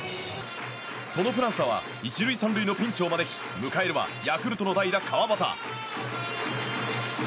そのフランスアは１塁３塁のピンチを招きヤクルトの代打、川端。